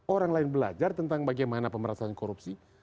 orang lain belajar tentang bagaimana pemerasan korupsi